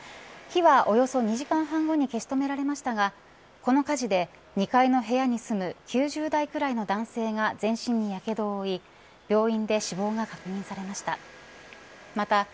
火はおよそ２時間半後に消し止められましたがこの火事で２階の部屋に住む９０代くらいの男性が全身にやけどを負い病院で死亡が確認されました。